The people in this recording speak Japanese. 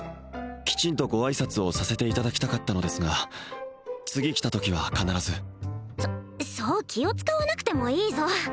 きちんとご挨拶をさせていただきたかったのですが次来たときは必ずそそう気を使わなくてもいいぞ